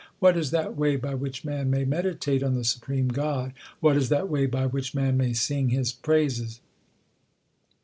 What is that way by which man may meditate on the Supreme God ? What is that way by which man may sing His praises